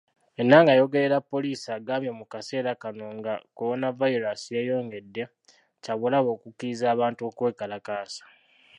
Enanga ayogerera Poliisi agambye mu kaseera kano nga Kolonavayiraasi yeeyongedde, kya bulabe okukkiriza abantu okwekalakaasa.